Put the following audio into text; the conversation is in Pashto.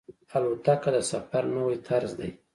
الوتکه د سفر نوی طرز دی.